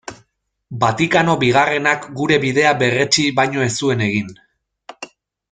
Vatikano Bigarrenak gure bidea berretsi baino ez zuen egin.